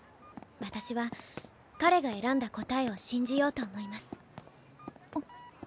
私は彼が選んだ答えを信じようと思います